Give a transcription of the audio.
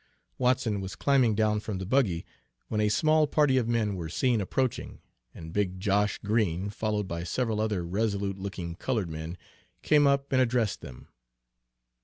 Watson was climbing down from the buggy, when a small party of men were seen approaching, and big Josh Green, followed by several other resolute looking colored men, came up and addressed them.